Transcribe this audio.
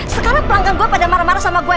sekarang pelanggan gue pada marah marah sama gue